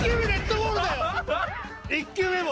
１球目も。